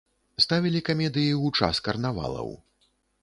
Ставілі камедыі ў час карнавалаў.